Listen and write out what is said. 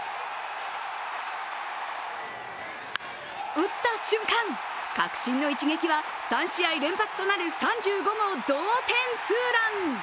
打った瞬間、確信の一撃は３試合連続となる３５号同点ツーラン！